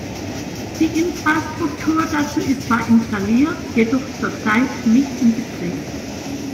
Die Infrastruktur dazu ist zwar installiert, jedoch zurzeit nicht in Betrieb.